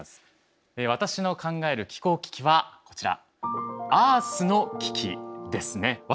私の考える気候危機はこちら。